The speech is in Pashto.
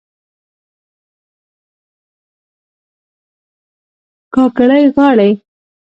کاکړۍ غاړي